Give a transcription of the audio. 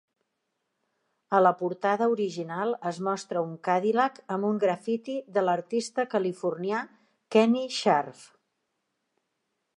A la portada original es mostra un Cadillac amb un grafiti de l"artista californià Kenny Scharf.